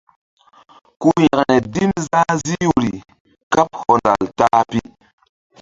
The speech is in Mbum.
Ku yȩkre dim zah zih wori kaɓ hɔndal ta-a pi.